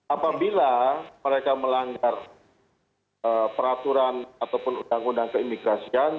apabila mereka melanggar peraturan ataupun undang undang keimigrasian